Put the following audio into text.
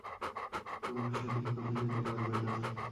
তোমরা সঠিক পথে যেতে পারবে না।